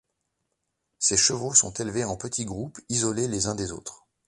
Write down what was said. Ces chevaux sont élevés en petits groupes, isolés les uns des autres.